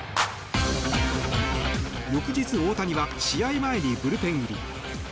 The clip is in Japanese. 翌日、大谷は試合前にブルペン入り。